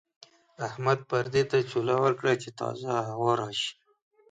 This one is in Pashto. احمد پردې ته چوله ورکړه چې تازه هوا راشي.